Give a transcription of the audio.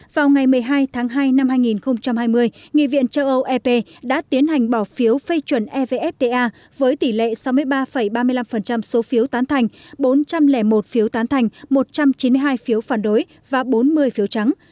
vào ngày một mươi hai tháng hai năm hai nghìn hai mươi nghị viện châu âu ep đã tiến hành bỏ phiếu phê chuẩn evfta với tỷ lệ sáu mươi ba ba mươi năm số phiếu tán thành bốn trăm linh một phiếu tán thành một trăm chín mươi hai phiếu phản đối và bốn mươi phiếu trắng